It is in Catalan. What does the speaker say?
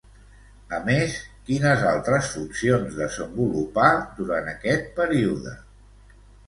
A més, quines altres funcions desenvolupà durant aquest període?